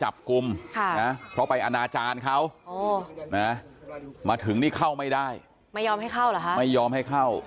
เพราะไปอนาจารย์เขามาถึงนี่เข้าไม่ได้ไม่ยอมให้เข้า